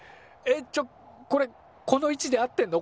えっ？